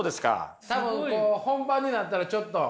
多分こう本番になったらちょっと。